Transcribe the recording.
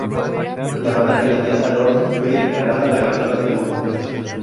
La banda finlandesa Lordi fue declarada la ganadora de la competición.